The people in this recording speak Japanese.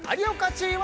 チーム！